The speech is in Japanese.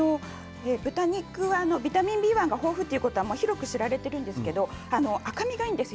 豚肉はビタミンＢ１が豊富ということは広く知られていますけれど赤身がいいんです。